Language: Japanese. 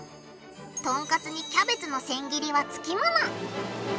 とんかつにキャベツの千切りは付きもの。